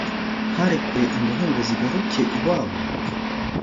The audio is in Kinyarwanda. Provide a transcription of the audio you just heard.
ntarekure imbohe ngo zigaruke iwabo?»